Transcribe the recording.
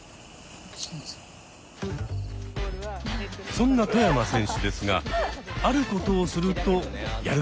そんな外山選手ですがあることをするとやる気が出るんだとか。